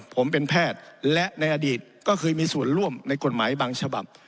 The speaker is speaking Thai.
ผมเป็นแพทย์และในอดีตก็เคยมีส่วนร่วมในกฎหมายบางฉบับ